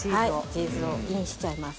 チーズをインしちゃいます。